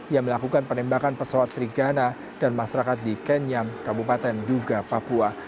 yang melakukan penembakan pesawat trigana dan masyarakat di kenyam kabupaten duga papua